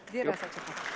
dirasa cukup oke